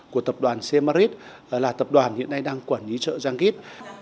của tập đoàn semarit là tập đoàn hiện nay đang quản lý trợ giang kết